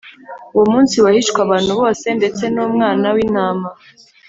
uwo munsi wahishwe abantu bose ndetse numwana w’intama